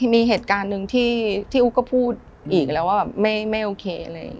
มีเหตุการณ์หนึ่งที่อุ๊กก็พูดอีกแล้วว่าไม่โอเค